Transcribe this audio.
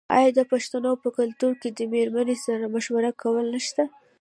آیا د پښتنو په کلتور کې د میرمنې سره مشوره کول نشته؟